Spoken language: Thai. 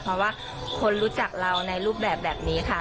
เพราะว่าคนรู้จักเราในรูปแบบนี้ค่ะ